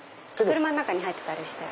車の中に入ってたりして。